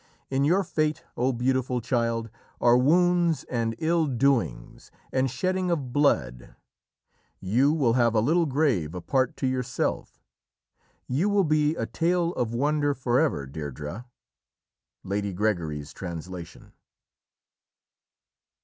In your fate, O beautiful child, are wounds and ill doings, and shedding of blood._ "You will have a little grave apart to yourself; you will be a tale of wonder for ever, Deirdrê." Lady Gregory's Translation.